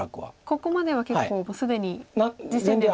ここまでは結構既に実戦例。